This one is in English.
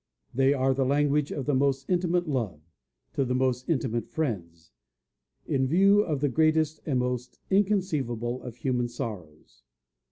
They are the language of the most intimate love, to the most intimate friends, in view of the greatest and most inconceivable of human sorrows.